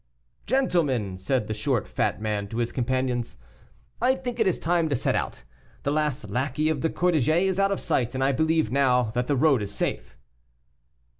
"Gentlemen," said the short fat man to his companions, "I think it is time to set out; the last lackey of the cortege is out of sight, and I believe now that the road is safe."